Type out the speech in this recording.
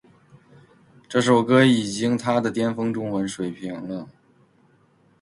这首歌已经她的巅峰中文水平了